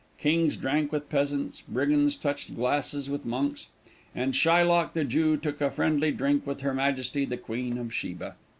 Kings drank with peasants, brigands touched glasses with monks, and Shylock the Jew took a friendly drink with her majesty the Queen of Sheba.